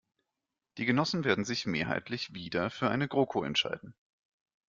Die Genossen werden sich mehrheitlich wieder für eine GroKo entscheiden.